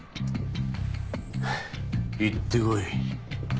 行ってこい。